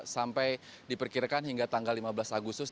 sampai diperkirakan hingga tanggal lima belas agustus